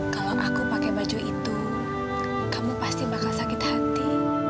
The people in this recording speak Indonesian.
kalau aku pakai baju itu kamu pasti bakal sakit hati